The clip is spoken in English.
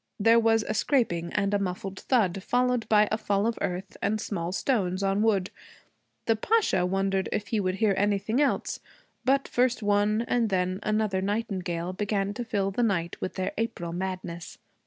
There was a scraping and a muffled thud, followed by a fall of earth and small stones on wood. The Pasha wondered if he would hear anything else. But first one and then another nightingale began to fill the night with their April madness.